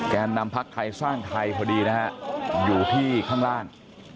นำพักไทยสร้างไทยพอดีนะฮะอยู่ที่ข้างล่าง